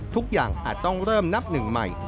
ทุกอย่างอาจต้องเริ่มนับหนึ่งใหม่